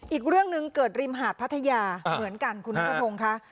อีกเรื่องหนึ่งเกิดริมหาดพัทยาเหมือนกันคุณนัทพงศ์ค่ะ